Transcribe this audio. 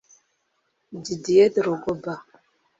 Didier Drogba